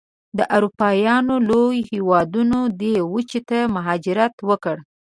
د اروپایانو لویو هېوادونو دې وچې ته مهاجرت وکړ.